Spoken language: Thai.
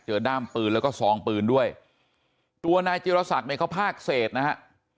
ด้ามปืนแล้วก็ซองปืนด้วยตัวนายจิรษักเนี่ยเขาพากเศษนะฮะ